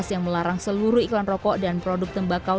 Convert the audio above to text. yang melarang seluruh iklan rokok dan produk tembakau